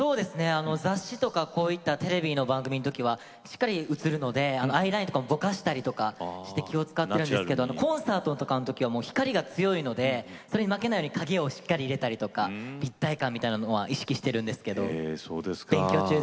雑誌とかこういったテレビの番組のときはしっかり映るのでアイラインとかぼかしてやってるんですけど気を遣ってるんですがコンサートのときとかは光が強いのでそれに負けないように影をしっかり入れたり立体感を意識しています。